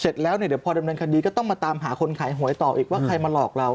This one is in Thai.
เสร็จแล้วเนี่ยเดี๋ยวพอดำเนินคดีก็ต้องมาตามหาคนขายหวยต่ออีกว่าใครมาหลอกเรา